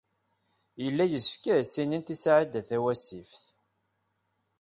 Yella yessefk ad as-inint i Saɛida Tawasift.